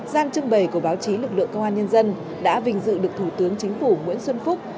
gian trưng bày của báo chí lực lượng công an nhân dân đã vinh dự được thủ tướng chính phủ nguyễn xuân phúc